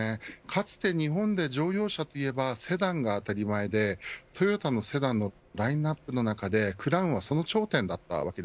かつて日本で乗用車といえばセダンが当たり前でトヨタのセダンのラインアップの中でクラウンはその頂点でした。